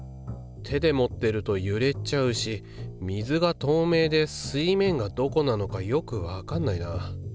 手で持ってるとゆれちゃうし水がとうめいで水面がどこなのかよくわかんないな。